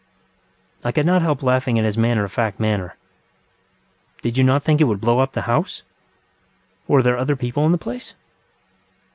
ŌĆØ I could not help laughing at his matter of fact manner. ŌĆ£Did you not think it would blow up the house? Were there other people in the place?